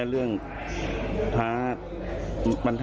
แค่เรื่องท้ามันท้าทายอะไรกันล่ะ